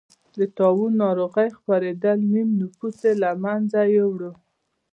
د طاعون ناروغۍ خپرېدل نییم نفوس یې له منځه یووړ.